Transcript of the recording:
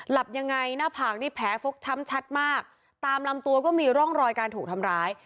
หลับยังไงหน้าผากนี่แผลฟกช้ำชัดมากตามลำตัวก็มีร่องรอยการถูกทำร้าย